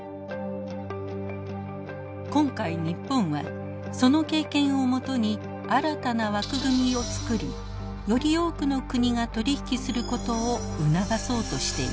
今回日本はその経験をもとに新たな枠組みを作りより多くの国が取り引きすることを促そうとしています。